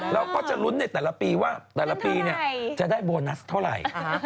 แล้วก็จะลุ้นเนี่ยแต่ละปีว่าแต่ละปีเนี่ยจะได้โบนัสเท่าไหร่